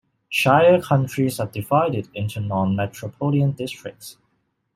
Shire counties are divided into non-metropolitan districts.